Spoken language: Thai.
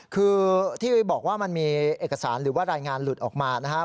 คือที่บอกว่ามันมีเอกสารหรือว่ารายงานหลุดออกมานะครับ